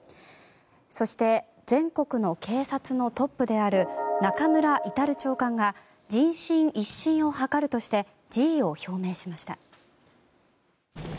そして全国の警察のトップである中村格長官が人心一新をはかるとして辞意を表明しました。